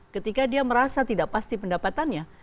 ketika dia merasa tidak pasti pendapatannya